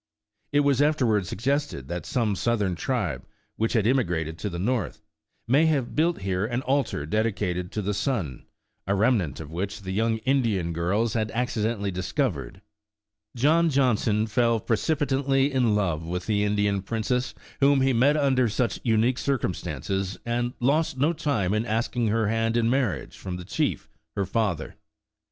It was afterward suggested that some Southern tribe, which had immigrated to the North, may have built here an altar dedicated to the sun, a remnant of which the young Indian girls had 98 Traversing the Wilderness accidentally discovered John Johnson fell precip itantly in love with the Indian princess, whom he met under such unique circumstances, and lost no time in asking her hand in marriage from the chief, her father.